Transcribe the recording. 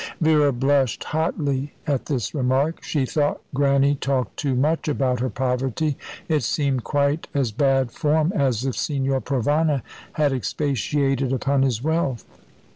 Vera blushed hotly at this remark. She thought Grannie talked too much about her poverty. It seemed quite as bad form as if Signor Provana had expatiated upon his wealth.